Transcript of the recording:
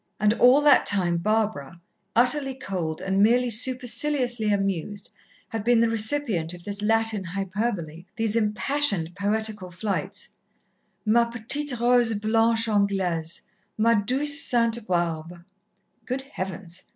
And all that time Barbara, utterly cold and merely superciliously amused, had been the recipient of this Latin hyperbole, these impassioned poetical flights: "Ma petite rose blanche anglaise Ma douce Sainte Barbe." (Good Heavens!